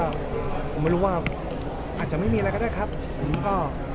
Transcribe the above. ก็ผมไม่รู้ว่าอาจจะไม่มีอะไรก็ได้ครับผมก็